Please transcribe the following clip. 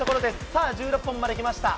さあ、１６本まできました。